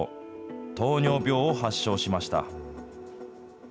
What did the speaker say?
糖尿病を発症しました。